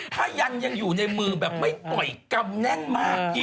ถ้ายันยังอยู่ในมือแบบไม่ต่อยกำแน่นมากพี่